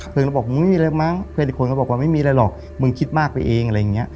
เราบอกมึงไม่มีอะไรมั้งเพื่อนอีกคนก็บอกว่าไม่มีอะไรหรอกมึงคิดมากไปเองอะไรอย่างนี้